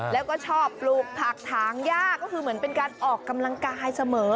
แล้วก็ชอบปลูกผักถางย่าก็คือเหมือนเป็นการออกกำลังกายเสมอ